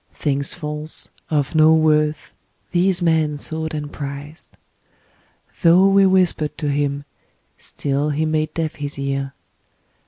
Things false, of no worth, these man sought and prized. Though we whispered to him, still he made deaf his ear.